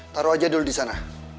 taruh aja dulu di sana